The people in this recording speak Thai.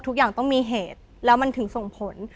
ทุกอย่างต้องมีเหตุแล้วมันถึงส่งผล